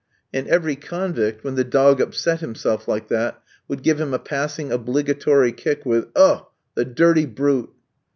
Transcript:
And every convict, when the dog upset himself like that, would give him a passing obligatory kick, with "Ouh! the dirty brute!"